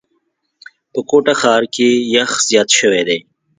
په کوټه ښار کي یخ زیات شوی دی.